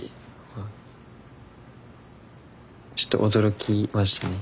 ちょっと驚きましたね。